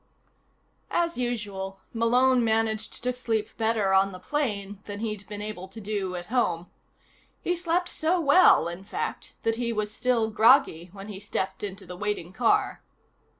As usual, Malone managed to sleep better on the plane than he'd been able to do at home. He slept so well, in fact, that he was still groggy when he stepped into the waiting car.